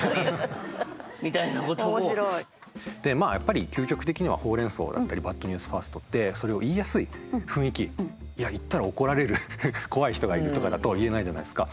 まあやっぱり究極的にはホウ・レン・ソウだったりバッドニュースファーストってそれを言ったら怒られる怖い人がいるとかだと言えないじゃないですか。